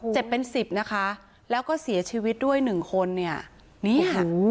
เจ็บเป็นสิบนะคะแล้วก็เสียชีวิตด้วยหนึ่งคนเนี่ยนี่ค่ะ